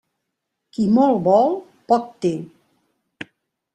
Qui molt vol, poc té.